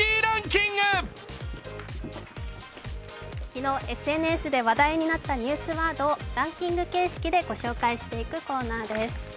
昨日、ＳＮＳで話題になったニュースワードをランキング形式で紹介していくコーナーです。